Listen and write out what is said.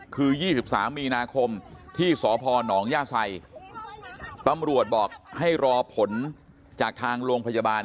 คือ๒๓มีนาคมที่สพนย่าไซตำรวจบอกให้รอผลจากทางโรงพยาบาล